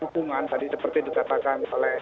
hubungan seperti dikatakan